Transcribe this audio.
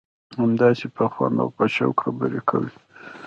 همداسې په خوند او په شوق خبرې کوي.